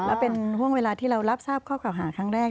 แล้วเป็นห่วงเวลาที่เรารับทราบข้อเก่าหาครั้งแรก